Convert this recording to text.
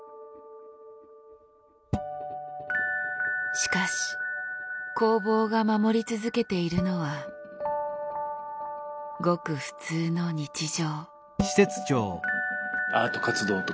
しかし工房が守り続けているのはごく普通の日常。